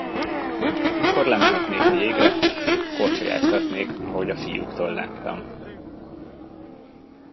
Akkor lemehetnék a jégre, korcsolyázhatnék, ahogy a fiúktól láttam.